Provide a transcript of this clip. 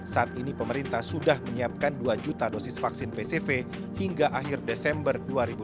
saat ini pemerintah sudah menyiapkan dua juta dosis vaksin pcv hingga akhir desember dua ribu dua puluh dua